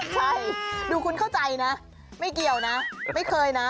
ใช่ดูคุณเข้าใจนะไม่เกี่ยวนะไม่เคยนะ